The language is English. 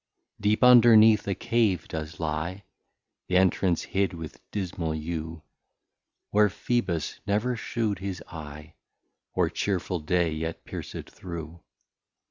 Deep underneath a Cave does lie, Th'entrance hid with dismal Yew, Where Phebus never shew'd his Eye, Or cheerful Day yet pierced through.